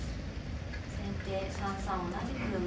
先手３三同じく馬。